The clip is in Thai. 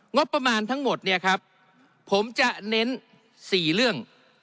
งบประมาณทั้งหมดเนี่ยครับผมจะเน้น๔เรื่อง